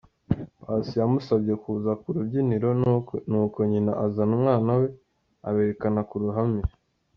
Paccy yamusabye kuza ku rubyiniro nuko nyina azana umwana we aberekana mu ruhame.